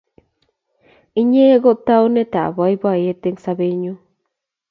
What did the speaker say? Inye koi taunetap poipoyet eng' sobennyu